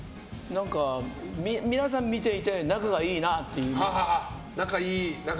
皆さん、見ていて仲がいいなっていう。